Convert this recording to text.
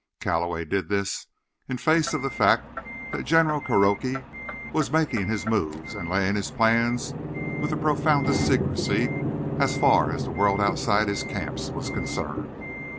Calloway did this in face of the fact that General Kuroki was making his moves and laying his plans with the profoundest secrecy as far as the world outside his camps was concerned.